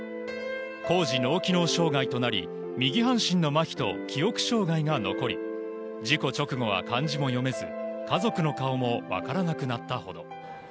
高次脳機能障害となり右半身のまひと記憶障害が残り、事故直後は漢字も読めず家族の顔も分からなくなったほど。